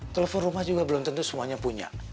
telepon rumah juga belum tentu semuanya punya